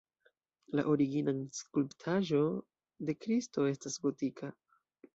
La originan skulptaĵo de Kristo estas gotika.